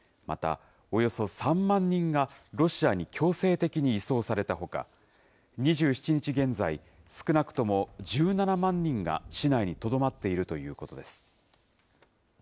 また、およそ３万人がロシアに強制的に移送されたほか、２７日現在、少なくとも１７万人が市内にとどまっているということです。